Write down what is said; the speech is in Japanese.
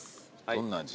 どんな味？